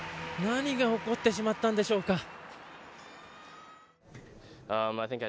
何が起こってしまったんでしょうか。